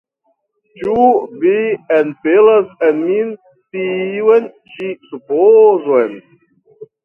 ĉu vi enpelas en min tiun ĉi supozon?